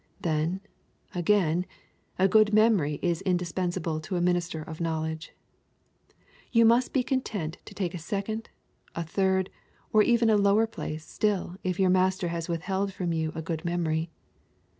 Then, again, a good memory is indispensable to a minister of knowledge. You must be content to take a second, a third, or even a lower place still if your Master has withheld from you a good memory.